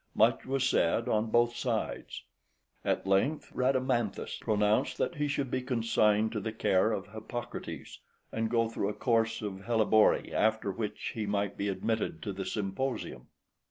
Much was said on both sides. At length Rhadamanthus pronounced that he should be consigned to the care of Hippocrates, and go through a course of hellebore, after which he might be admitted to the Symposium.